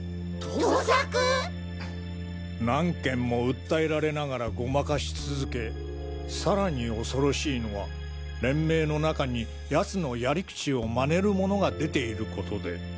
盗作？何件も訴えられながら誤魔化し続けさらに恐ろしいのは連盟の中に奴のやり口を真似る者が出ていることで。